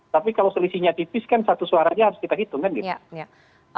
tapi kalau selisihnya tipis kan satu suaranya harus kita hitung kan gitu